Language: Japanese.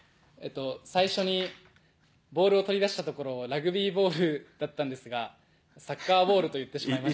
最初にボールを取り出したところをラグビーボールだったんですがサッカーボールと言ってしまいました。